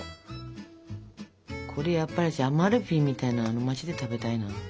これやっぱりアマルフィみたいな街で食べたいな。